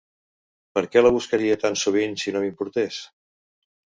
Per què la buscaria tan sovint si no m'importés?